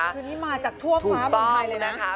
คือที่มาจากทั่วฟ้าบนไทยเลยนะถูกต้องนะคะ